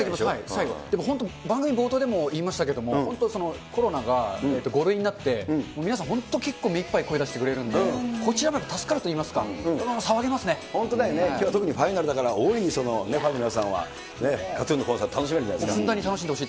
最後、でも番組冒頭でも言いましたけど、本当コロナが５類になって、皆さん、本当、結構めいっぱい声出してくれるんで、こちらもやっぱり助かるといいますか、騒げま本当だよね、きょうは特にファイナルだから大いにファンの皆さんはね、ＫＡＴーＴＵＮのコン楽しんでほしいですね。